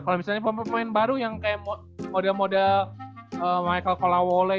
kalau misalnya pemain pemain baru yang kayak model model michael colawole